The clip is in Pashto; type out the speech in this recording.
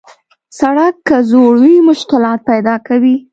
سړک که زوړ وي، مشکلات پیدا کوي.